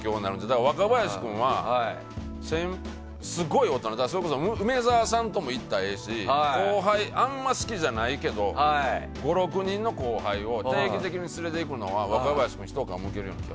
だから、若林君はすごい大人それこそ梅沢さんとも行ったらええし後輩、あんまり好きじゃないけど５６人の後輩を定期的に連れていくのは若林君がひと皮むけると思う。